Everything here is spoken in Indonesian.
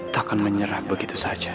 takkan menyerah begitu saja